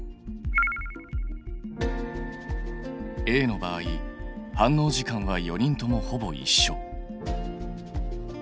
Ａの場合反応時間は４人ともほぼいっしょ。